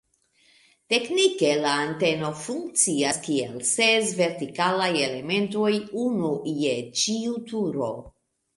Teknike la anteno funkcias kiel ses vertikalaj elementoj, unu je ĉiu turo.